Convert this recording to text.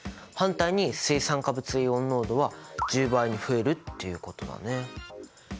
反対に水酸化物イオン濃度は１０倍に増えるっていうことだね。